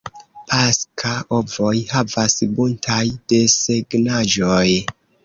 Paska ovoj havas buntaj desegnaĵoj.